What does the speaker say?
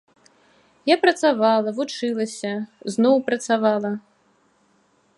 Я працавала, вучылася, зноў працавала.